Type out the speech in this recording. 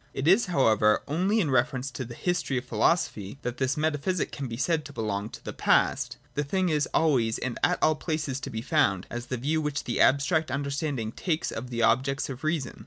It is hovirever only in reference to the history of philosophy that this Metaphysic can be said to belong to the past : the thing is always and at all places to be found, as the view which the abstract understanding takes of the ob jects of reason.